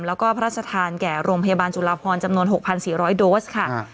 แล้วก็พระราชทานแก่โรงพยาบาลจุลาพรจำนวน๖๔๐๐โดสค่ะ